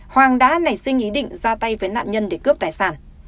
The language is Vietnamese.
hoàng đã nảy sinh ý định ra tay với nạn nhân để cướp tài sản